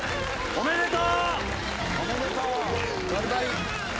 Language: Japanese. おめでとう！